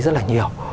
rất là nhiều